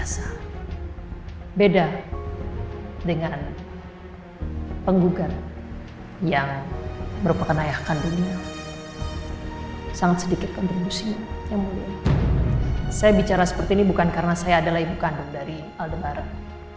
saya bicara seperti ini bukan karena saya adalah ibu kandung dari aldo barat